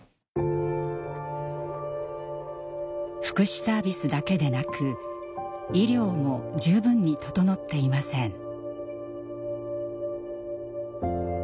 福祉サービスだけでなく医療も十分に整っていません。